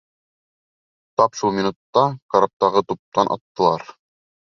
Тап шул минутта караптағы туптан аттылар.